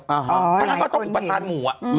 อ๋อหลายคนเพราะฉะนั้นเขาต้องอุปทานหมู่